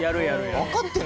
分かってる？